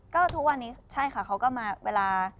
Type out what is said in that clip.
ก็ทุกวันนี้ใช่ค่ะเขาก็มาเวลา